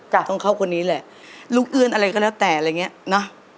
จ้ะต้องเข้าคนนี้แหละลูกเอือนอะไรก็แล้วแต่อะไรเงี้ยน่ะ